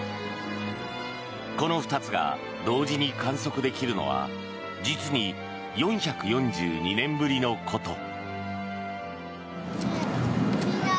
この２つが同時に観測できるのは実に４４２年ぶりのこと。